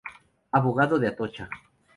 Abogado de Atocha".